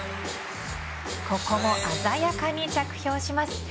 ここも鮮やかに着氷します。